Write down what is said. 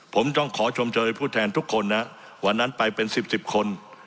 ผมต้องขอชมเชยผู้แทนทุกคนนะวันนั้นไปเป็นสิบสิบคน